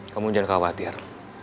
kamu jangan khawatir